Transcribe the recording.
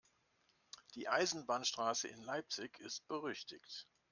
Die Eisenbahnstraße in Leipzig ist berüchtigt.